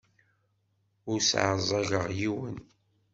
Ur sseɛẓageɣ yiwen.